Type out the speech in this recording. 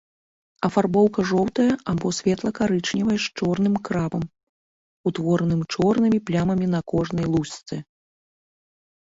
Афарбоўка жоўтая або светла-карычневая з чорным крапам, утвораным чорнымі плямамі на кожнай лусцэ.